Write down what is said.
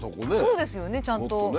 そうですよねちゃんと。